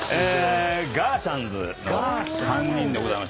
ガーシャンズの３人でございます。